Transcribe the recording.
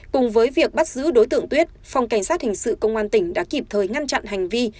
cùng với việc bắt giữ đối tượng tuyết phòng cảnh sát hình sự công an tỉnh đã kịp thời ngăn chặn hành vi